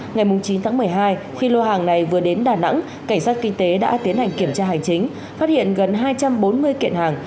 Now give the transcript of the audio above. ngày chín tháng một mươi hai khi lô hàng này vừa đến đà nẵng cảnh sát kinh tế đã tiến hành kiểm tra hành chính phát hiện gần hai trăm bốn mươi kiện hàng